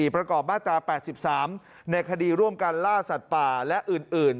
ประกอบมาตรา๘๓ในคดีร่วมกันล่าสัตว์ป่าและอื่น